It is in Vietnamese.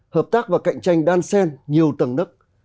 hợp tác và cạnh tranh đan sen nhiều tầng nức